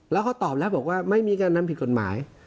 แล้วเขาตอบแล้วบอกว่าไม่มีการนำผิดกฎหมาย